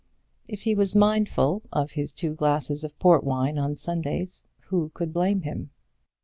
If he was mindful of his two glasses of port wine on Sundays, who could blame him?